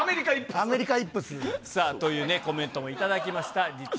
アメリカイップス。というコメントも頂きました。